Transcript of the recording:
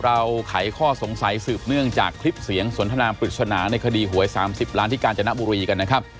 ไขข้อสงสัยสืบเนื่องจากคลิปเสียงสนทนาปริศนาในคดีหวย๓๐ล้านที่กาญจนบุรีกันนะครับ